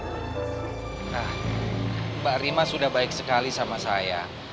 nah mbak rima sudah baik sekali sama saya